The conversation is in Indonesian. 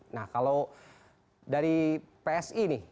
nah kalau dari psi nih